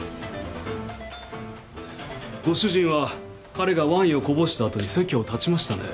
ご主人は彼がワインをこぼした後に席を立ちましたね。